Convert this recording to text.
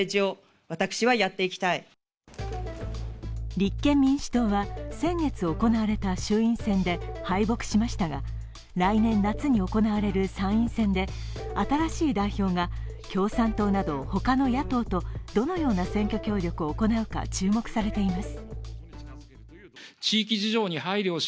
立憲民主党は先月行われた衆院選で敗北しましたが来年夏に行わせる参院選で新しい代表が共産党など、他の野党とどのような選挙協力を行うか注目されています。